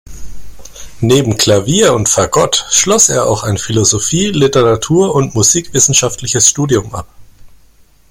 Neben Klavier und Fagott schloss er auch ein Philosophie-, Literatur- und musikwissenschaftliches Studium ab.